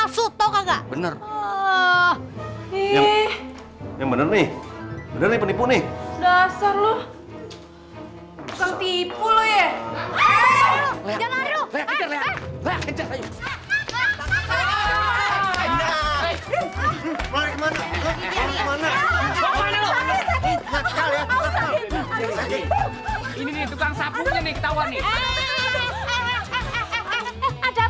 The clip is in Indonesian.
soto kagak bener bener nih bener bener penipu nih dasar lu tipe lo ya